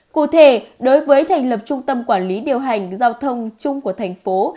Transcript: cụ thể đối với thành lập trung tâm quản lý điều hành giao thông chung của thành phố